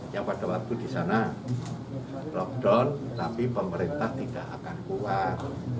yang pada waktu di sana lockdown tapi pemerintah tidak akan kuat